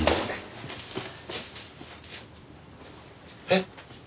えっ？